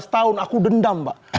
tahun aku dendam pak